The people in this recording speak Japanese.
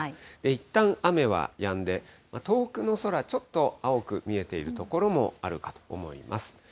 いったん雨はやんで、遠くの空、ちょっと青く見えている所もあるかと思います。